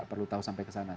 gak perlu tahu sampai kesana